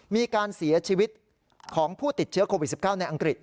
มีการเสียชีวิตของผู้ติดเชื้อโควิด๑๙ในอังกฤษ